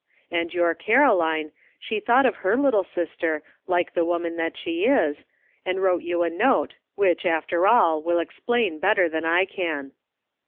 "And your Caroline, she thought of her little sister, like the woman that she is, and wrote you a note, which, after all, will explain better than I can."